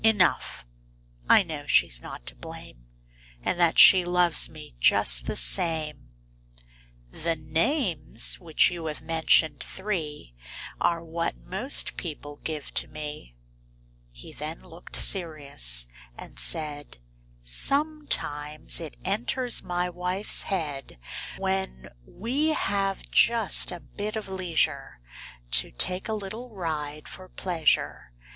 Enough, I know she's not to blame. And that she loves me just the same." Copyrighted, 1897 I HE names which you have mentioned, three, what most people give to me." then looked serious and said :— 1897. Copyrighted, Xf^OMETIMES it enters my wife's head, When we have just a bit of leisure, To take a little ride for pleasure.